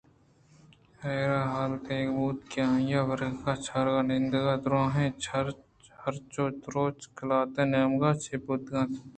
آئرا حال دیگ بوت کہ آئی ءِورگ ءُ چرگ ءُنندگ ءِدُرٛاہیں حرچ ءُدرچ قلات ءِ نیمگءَ چہ بوتگ اَنت